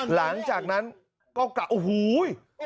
หลังจากนั้นก็กะโอ้โห